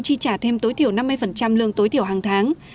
chi trả thêm tối thiểu năm mươi lương tối thiểu hàng tháng